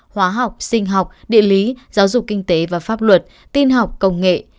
hóa học sinh học địa lý giáo dục kinh tế và pháp luật tin học công nghệ